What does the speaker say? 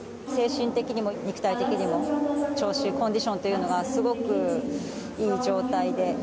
精神的にも肉体的にも、調子、コンディションというのが、すごくいい状態で。